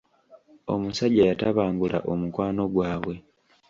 Omusajja yatabangula omukwano gwabwe.